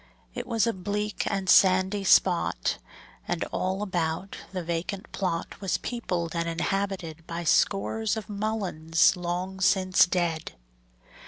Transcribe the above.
It was a bleak and sandy spot, And, all about, the vacant plot Was peopled and inhabited By scores of mulleins long since dead.